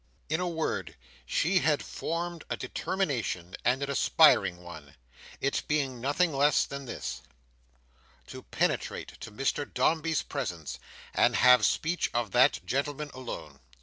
In a word, she had formed a determination, and an aspiring one: it being nothing less than this—to penetrate to Mr Dombey's presence, and have speech of that gentleman alone.